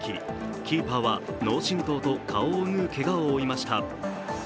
キーパーは脳しんとうと顔を縫うけがを負いました。